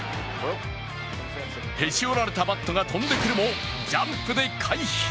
へし折られたバットが飛んでくるもジャンプで回避。